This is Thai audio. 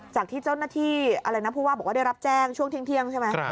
จากที่เจ้าหน้าที่อะไรนะผู้ว่าบอกว่าได้รับแจ้งช่วงเที่ยงใช่ไหม